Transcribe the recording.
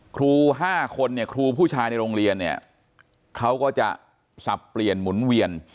ครู๕คนเนี่ยครูผู้ชายในโรงเรียนเนี่ยเขาก็จะสับเปลี่ยนหมุนเวียน